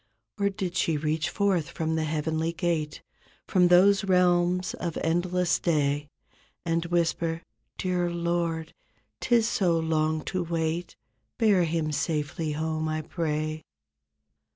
Or did she reach forth from the heavenly gate From those realms of endless day. And whisper, "Dear Lord, 'tis so long to wait; Bear him safely home, I pray?"